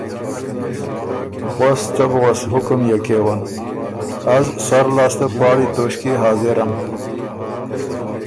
غؤس څۀ بو غؤس حُکم يې کېون، از سر لاسته پاړی توݭکيې حاضرم